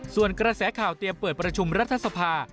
ส่วนกระแสข่าวเตรียมเปิดประชุมรัฐสภา